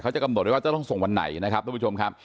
จะกำหนดไว้ว่าจะต้องส่งวันไหนนะครับทุกผู้ชมครับ